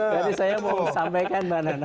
jadi saya mau sampaikan mbak nana